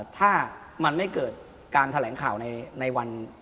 ถ้ามันไม่เกิดการแถลงข่าวในวัน